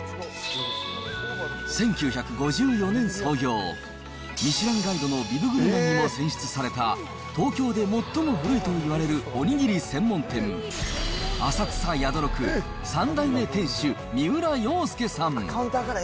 １９５４年創業、ミシュランガイドのビブグルマンにも選出された、東京で最も古いといわれるおにぎり専門店、浅草宿六三代目店主、三浦洋介さん。